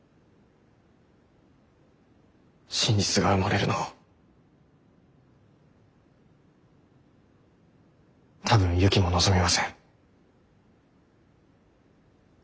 真実が埋もれるのを多分ユキも望みません。